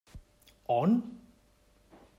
On?